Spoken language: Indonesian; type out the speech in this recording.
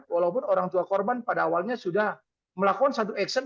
walaupun orang tua korban pada awalnya sudah melakukan satu action